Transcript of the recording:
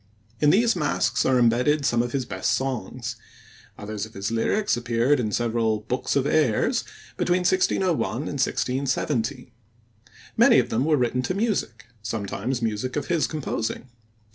In these masques are embedded some of his best songs; others of his lyrics appeared in several Bookes of Ayres between 1601 and 1617. Many of them were written to music, sometimes music of his composing.